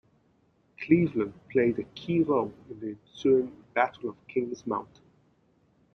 Cleveland played a key role in the ensuing Battle of Kings Mountain.